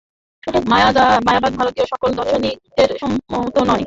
মায়াবাদ ভারতীয় সকল দার্শনিকের সম্মত নয়।